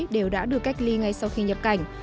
đều đã được cách ly ngay sau khi nhập cảnh